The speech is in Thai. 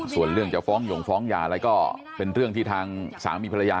ส่วนเรื่องจะฟ้องหย่งฟ้องยาอะไรก็เป็นเรื่องที่ทางสามีภรรยา